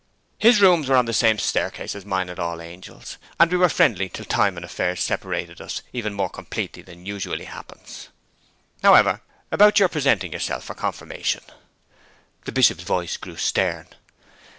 His rooms were on the same staircase with mine at All Angels, and we were friendly till time and affairs separated us even more completely than usually happens. However, about your presenting yourself for confirmation.' (The Bishop's voice grew stern.)